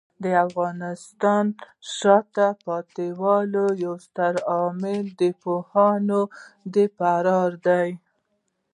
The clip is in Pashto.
د افغانستان د شاته پاتې والي یو ستر عامل د پوهانو د فرار دی.